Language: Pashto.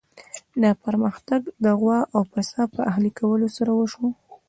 دا پرمختګ د غوا او پسه په اهلي کولو سره وشو.